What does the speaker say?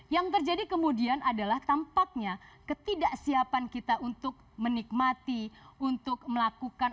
yang terjadi kemudian adalah tampaknya ketidaksiapan kita untuk menikmati untuk melakukan